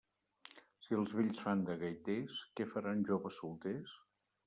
Si els vells fan de gaiters, què faran joves solters?